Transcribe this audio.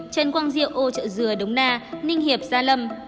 trần quang diệu ô trợ dừa đống đa ninh hiệp gia lâm